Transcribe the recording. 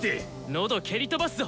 ノド蹴り飛ばすぞ！